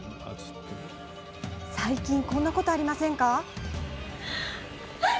最近こんなことありませんか。